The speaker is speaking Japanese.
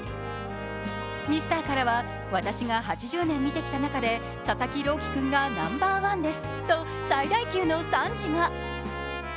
ミスターからは私が８０年見てきた中で、佐々木朗希君がナンバーワンですと最大級の賛辞が。